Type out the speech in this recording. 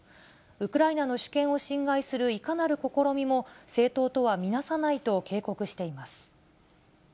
ウクライナの主権を侵害するいかなる試みも正当とは見なさないと警告しています。